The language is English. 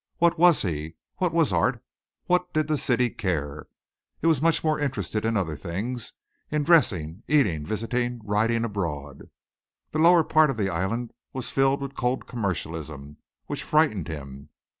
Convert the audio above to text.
What was he? What was art? What did the city care? It was much more interested in other things, in dressing, eating, visiting, riding abroad. The lower part of the island was filled with cold commercialism which frightened him.